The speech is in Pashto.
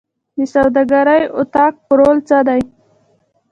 د سوداګرۍ اتاق رول څه دی؟